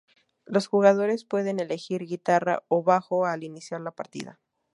Los jugadores pueden elegir guitarra o bajo al iniciar la partida.